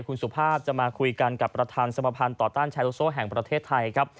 คุณสุภาพจะมาคุยกันกับประธานสมภัณฑ์ต่อต้านแชร์โลโซแห่งประเทศไทยครับ